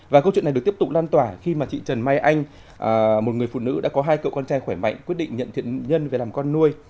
và câu chuyện này được tiếp tục lan tỏa khi mà chị trần mai anh một người phụ nữ đã có hai cậu con trai khỏe mạnh quyết định nhận nhân về làm con nuôi